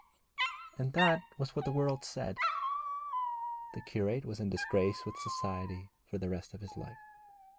And that was what the world said; the curate was in disgrace with society for the rest of his life.